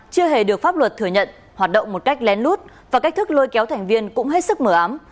chưa hề được pháp luật thừa nhận hoạt động một cách lén lút và cách thức lôi kéo thành viên cũng hết sức mở ám